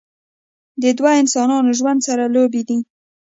د دوه انسانانو ژوند سره لوبې دي